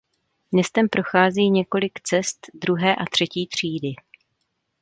Městem prochází několik cest druhé a třetí třídy.